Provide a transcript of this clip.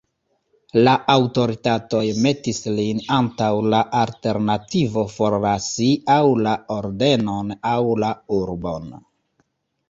La aŭtoritatoj metis lin antaŭ la alternativo forlasi aŭ la ordenon aŭ la urbon.